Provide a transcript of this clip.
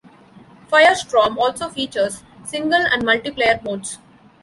"Firestorm" also features single- and multiplayer modes.